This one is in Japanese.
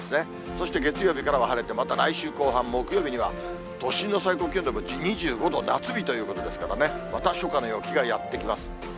そして月曜日からは晴れて、また来週後半、木曜日には都心の最高気温でも２５度、夏日ということですからね、また初夏の陽気がやって来ます。